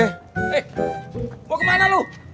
eh mau ke mana lu